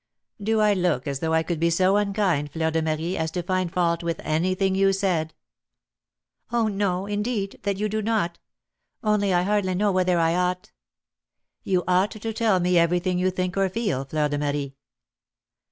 "Do I look as though I could be so unkind, Fleur de Marie, as to find fault with anything you said?" "Oh, no, indeed, that you do not; only I hardly know whether I ought " "You ought to tell me everything you think or feel, Fleur de Marie."